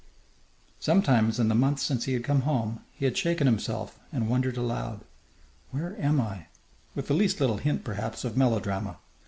Sometimes, in the month since he had come home, he had shaken himself and wondered aloud, "Where am I?" with the least little hint, perhaps, of melodrama.